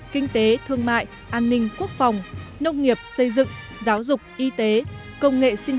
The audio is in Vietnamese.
kinh tế thương mại an ninh quốc phòng nông nghiệp xây dựng giáo dục y tế công nghệ sinh